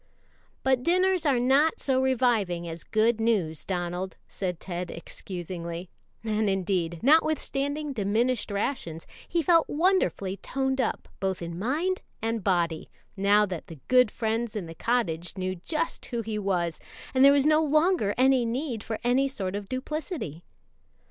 "But dinners are not so reviving as good news, Donald," said Ted excusingly; and indeed, notwithstanding diminished rations, he felt wonderfully toned up both in mind and body, now that the good friends in the cottage knew just who he was and there was no longer need for any sort of duplicity.